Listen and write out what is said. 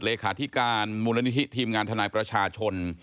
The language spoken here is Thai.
เลขาธิการมูลนิธิทีมงานทนายประชาชน